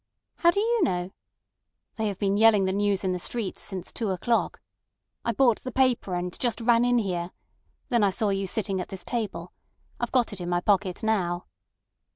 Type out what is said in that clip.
"How do you know?" "They have been yelling the news in the streets since two o'clock. I bought the paper, and just ran in here. Then I saw you sitting at this table. I've got it in my pocket now."